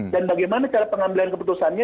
dan bagaimana cara pengambilan keputusannya